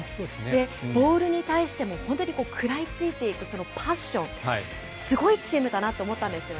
ボールに対しても本当に食らいついていくそのパッション、すごいチームだなと思ったんですよね。